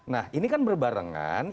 nah ini kan berbarengan